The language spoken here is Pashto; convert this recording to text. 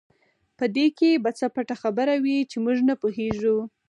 په دې کې به څه پټه خبره وي چې موږ نه پوهېږو.